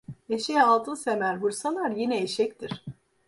Eşeğe altın semer vursalar yine eşektir.